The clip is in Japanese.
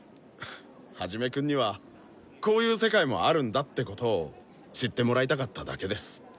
ハジメくんにはこういう世界もあるんだってことを知ってもらいたかっただけです。